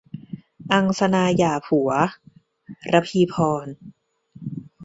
อังสนาหย่าผัว - รพีพร